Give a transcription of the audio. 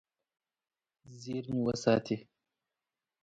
زیرمې وساتي.